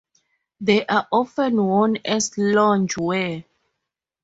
They are often worn as loungewear.